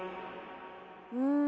うん。